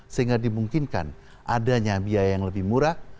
sehingga dimungkinkan adanya biaya yang lebih murah